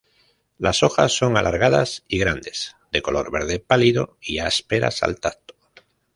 Las hojas son alargadas y grandes, de color verde pálido y ásperas al tacto.